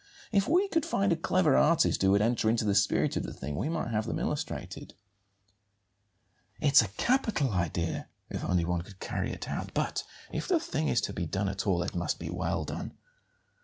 If we could find a clever artist who would enter into the spirit of the thing, we might have them illustrated." "It's a capital idea, if only one could carry it out; but if the thing is to be done at all it must be well done.